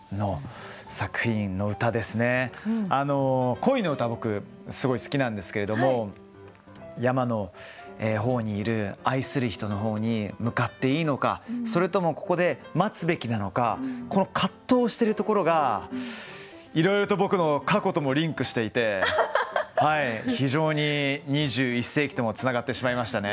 恋の歌僕すごい好きなんですけれども山の方にいる愛する人の方に向かっていいのかそれともここで待つべきなのかこの葛藤してるところがいろいろと僕の過去ともリンクしていて非常に２１世紀ともつながってしまいましたね。